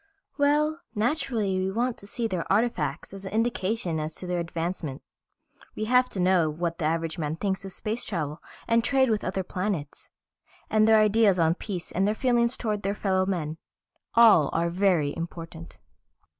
"Well, naturally we want to see their artifacts as an indication as to their advancement. We have to know what the average man thinks of space travel and trade with other planets. And their ideas on peace and their feelings towards their fellow men. All are very important.